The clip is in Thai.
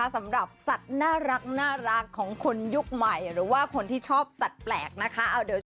สำหรับสัตว์น่ารักของคนยุคใหม่หรือว่าคนที่ชอบสัตว์แปลกนะคะ